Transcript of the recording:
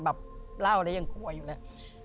แบบเล่าอะไรยังกลัวอยู่เลย